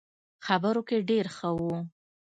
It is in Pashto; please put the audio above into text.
خبرو کې ډېر ښه وو.